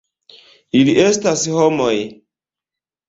Ili estas homoj.